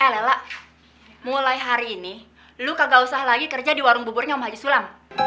lela mulai hari ini lu kagak usah lagi kerja di warung buburnya maji sulam